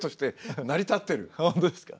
本当ですか？